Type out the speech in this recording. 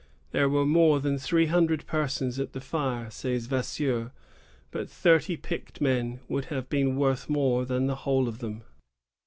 " There were more than three hundred persons at the fire," says Vasseur; "but thirty picked men would have been worth more than the whole of them."